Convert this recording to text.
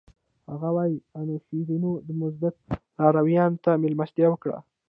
هغه وايي انوشیروان د مزدک لارویانو ته مېلمستیا وکړه.